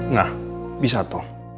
nah bisa tuh